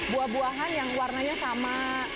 buah buahan yang warnanya sama